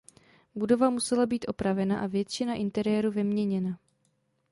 Budova musela být opravena a většina interiéru vyměněna.